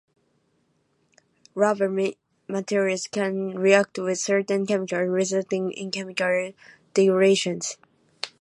Rubber materials can react with certain chemicals, resulting in chemical degradation.